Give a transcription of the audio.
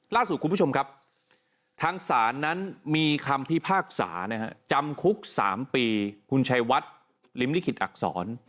คุณผู้ชมครับทางศาลนั้นมีคำพิพากษานะฮะจำคุก๓ปีคุณชัยวัดลิมลิขิตอักษร